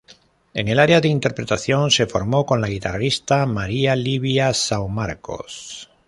En el área de interpretación, se formó con la guitarrista María Livia São Marcos.